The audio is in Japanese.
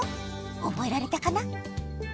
おぼえられたかな？